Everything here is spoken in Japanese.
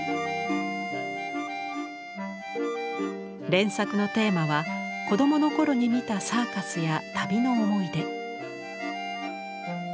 連作のテーマは子どもの頃に見たサーカスや旅の思い出。